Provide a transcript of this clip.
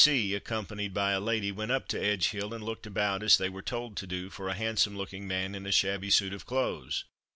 C , accompanied by a lady, went up to Edge hill and looked about as they were told to do for a handsome looking man in a shabby suit of clothes.